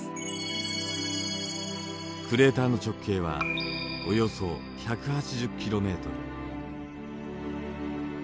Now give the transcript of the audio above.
クレーターの直径はおよそ１８０ｋｍ。